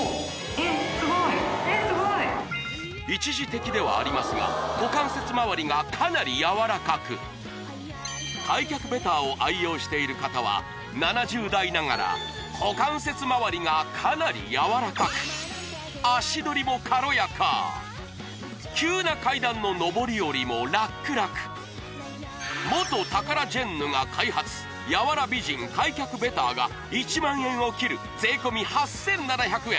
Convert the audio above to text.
・えっすごいえっすごい一時的ではありますが股関節周りがかなり柔らかく開脚ベターを愛用している方は７０代ながら股関節周りがかなり柔らかく足取りも軽やか急な階段の上り下りもラックラク元タカラジェンヌが開発柔ら美人開脚ベターが１万円を切る税込８７００円